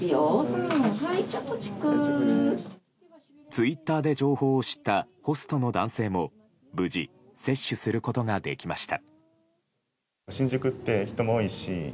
ツイッターで情報を知ったホストの男性も無事、接種することができました。